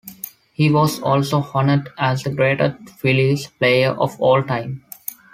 He was also honored as the greatest Phillies player of all-time.